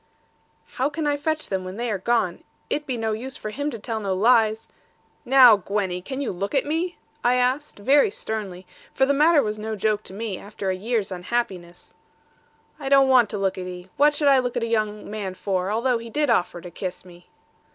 'How can I fetch them, when they are gone? It be no use for him to tell no lies ' 'Now, Gwenny, can you look at me?' I asked, very sternly; for the matter was no joke to me, after a year's unhappiness. 'I don't want to look at 'ee. What should I look at a young man for, although he did offer to kiss me?'